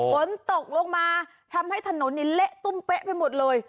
ฝนตกลงมาทำให้ถนนเละตุ้มเป๊ะไปหมดเลย